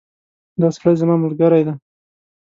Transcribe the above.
دا سړی زما ملګری ده